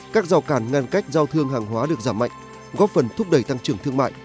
các rào cản ngăn cách giao thương hàng hóa được giảm mạnh góp phần thúc đẩy tăng trưởng thương mại